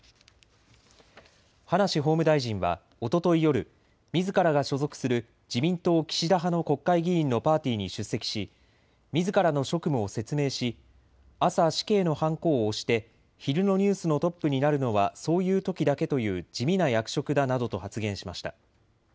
葉梨法務大臣はおととい夜、みずからが所属する自民党岸田派の国会議員のパーティーに出席しみずからの職務を説明し朝、死刑のはんこを押して昼のニュースのトップになるのはそういうときだけという地味な役職だなどと発言しました。